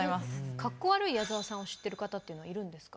かっこ悪い矢沢さんを知っている方というのはいるんですか？